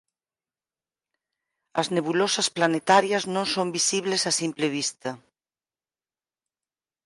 As nebulosas planetarias non son visibles a simple vista